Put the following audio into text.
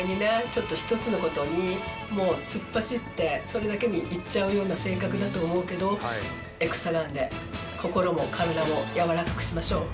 ちょっと一つの事に突っ走ってそれだけにいっちゃうような性格だと思うけどエクサガンで心も体もやわらかくしましょう。